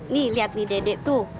nih lihat nih dedek tuh